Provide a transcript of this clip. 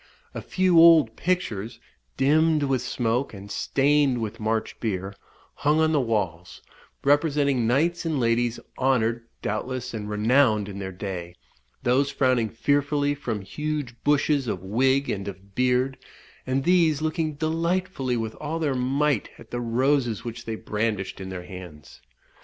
A few old pictures, dimmed with smoke, and stained with March beer, hung on the walls, representing knights and ladies, honoured, doubtless, and renowned in their day; those frowning fearfully from huge bushes of wig and of beard; and these looking delightfully with all their might at the roses which they brandished in their hands.